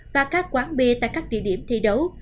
và các quán bia tại các địa điểm thi đấu